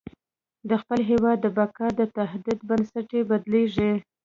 د خپل هېواد د بقا د تعهد بنسټ یې بدلېږي.